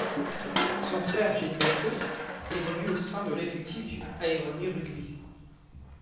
Son frère Gilberto évolue au sein de l'effectif du Aironi Rugby.